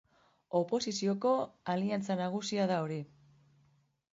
Oposizioko aliantza nagusia da hori.